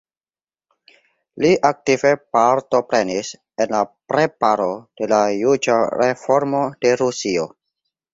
Li aktive partoprenis en la preparo de la juĝa reformo de Rusio.